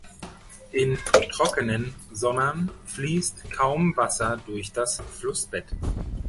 In trockenen Sommern fließt kaum Wasser durch das Flussbett.